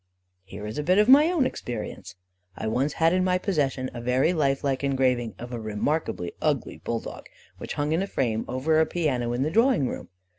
'" Here is a bit of my own experience: I once had in my possession a very life like engraving of a remarkably ugly bulldog, which hung in a frame over a piano in the drawing room.